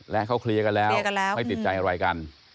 และเขาเคลียร์กันแล้วไม่ติดใจอะไรกัน